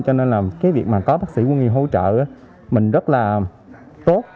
cho nên là cái việc mà có bác sĩ quân y hỗ trợ mình rất là tốt